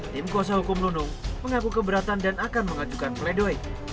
tim kuasa hukum nunung mengaku keberatan dan akan mengajukan pledoi